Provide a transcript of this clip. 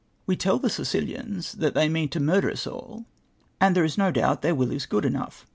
We tell the >Sicilians that they mean to murder us all, and there is no doubt their will is good enough.